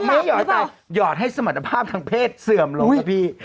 ยอดให้หลับหรือเปล่ายอดให้สมรรถภาพทางเพศเสื่อมลงกับพี่